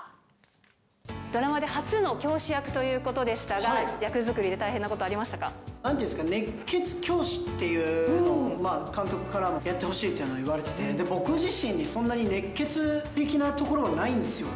ドラマで初の教師役ということでしたが、役作りで大変なことありましたか。なんて言うんですかね、熱血教師っていうのを監督からやってほしいというのを言われてて、僕自身にそんなに熱血的なところがないんですよ。